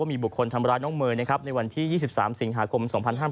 มีบุคคลทำร้ายน้องเมย์ในวันที่๒๓สิงหาคม๒๕๕๙